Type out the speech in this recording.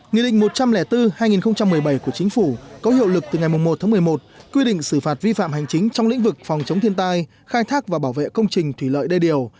nghị định một trăm linh bốn hai nghìn một mươi bảy của chính phủ có hiệu lực từ ngày một một mươi một quy định xử phạt vi phạm hành chính trong lĩnh vực phòng chống thiên tai khai thác và bảo vệ công trình thủy lợi đê điều